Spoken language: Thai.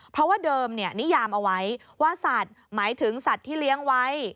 เพราะว่าเดิมนิยามเอาไว้ว่าสัตว์หมายถึงสัตว์ที่เลี้ยงไว้